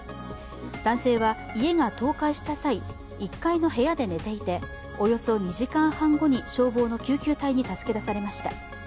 男性は、家が倒壊した際１階の部屋で寝ていておよそ２時間半後に消防の救急隊に助け出されました。